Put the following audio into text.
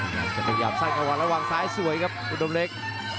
จะพยายามสร้างกันระวังซ้ายสวยครับอุดมเล็ก